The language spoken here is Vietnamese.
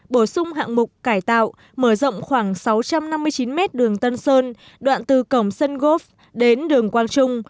bổ sung hạng mục cải tạo mở rộng khoảng sáu trăm năm mươi chín m đường tân sơn đoạn từ cổng sân gò vấp đến đường quang trung